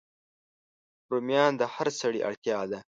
رومیان د هر سړی اړتیا ده